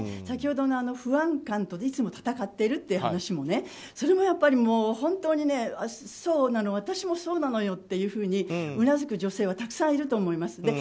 先ほどの不安感といつも闘ってるという話もそれもやっぱり、本当に私もそうなのよっていうふうにうなずく女性はたくさんいると思います。